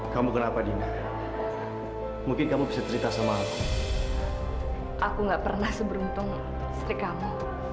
kamu kenapa dina mungkin kamu bisa cerita sama aku aku nggak pernah seberuntung serikamu